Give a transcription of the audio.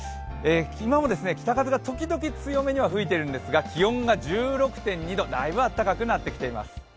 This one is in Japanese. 今も北風が時々強めに吹いているんですが気温が１６．２度、だいぶあったかくなってきています。